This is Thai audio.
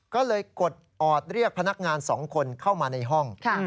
ก็เลยกดออดเรียกพนักงาน๒คนเข้ามาในห้อง